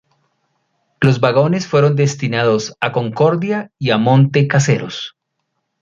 Los vagones fueron destinados a Concordia y a Monte Caseros.